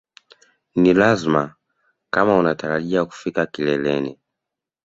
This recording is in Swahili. Ni lazima kama unatarajia kufika kileleni